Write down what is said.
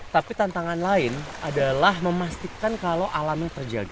tapi tantangan lain adalah memastikan kalau alamnya terjaga